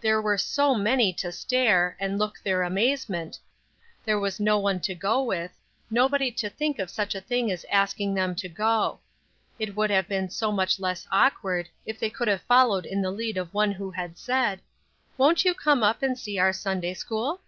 There were so many to stare, and look their amazement; there was no one to go with; nobody to think of such a thing as asking them to go. It would have been so much less awkward if they could have followed in the lead of one who had said, "Won't you come up and see our Sunday school?"